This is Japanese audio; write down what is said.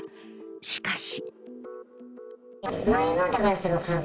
しかし。